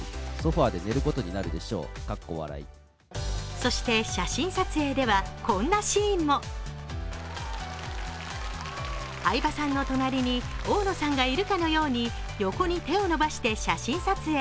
そして写真撮影では、こんなシーンも相葉さんの隣に大野さんがいるかのように横に手を伸ばして写真撮影。